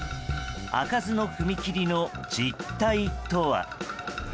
開かずの踏切の実態とは。